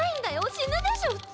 ⁉死ぬでしょ普通。